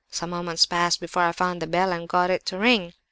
Some moments passed before I found the bell and got it to ring.